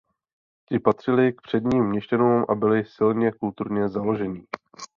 Ti patřili k předním měšťanům a byli silně kulturně založení.